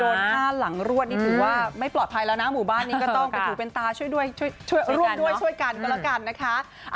๕หลังรวดนี่ถือว่าไม่ปลอดภัยแล้วนะหมู่บ้านนี้ก็ต้องเป็นถูเป็นตาช่วยด้วยช่วยร่วมด้วยช่วยกันก็แล้วกันนะคะ